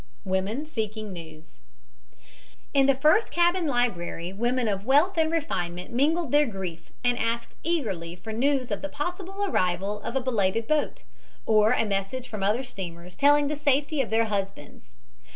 WOMEN SEEKING NEWS In the first cabin library women of wealth and refinement mingled their grief and asked eagerly for news of the possible arrival of a belated boat, or a message from other steamers telling of the safety of their husbands.